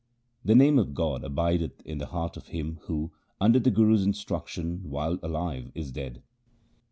The name of God abideth in the heart of him who, under the Guru's instruction, while alive is dead.